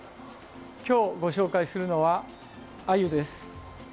今日ご紹介するのはアユです。